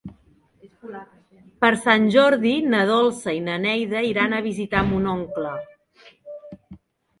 Per Sant Jordi na Dolça i na Neida iran a visitar mon oncle.